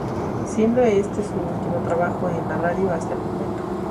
Siendo este su último trabajo en la radio hasta el momento.